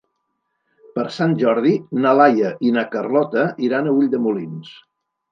Per Sant Jordi na Laia i na Carlota iran a Ulldemolins.